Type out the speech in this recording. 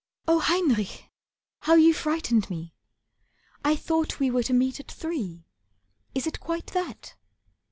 "Oh, Heinrich, how you frightened me! I thought We were to meet at three, is it quite that?"